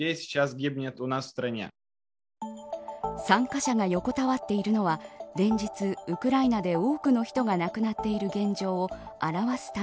参加者が横たわっているのは連日ウクライナで多くの人が亡くなっている現状を表す